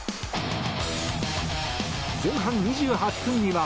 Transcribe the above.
前半２８分には。